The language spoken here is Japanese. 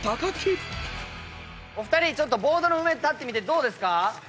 お二人ちょっとボードの上立ってみてどうですか？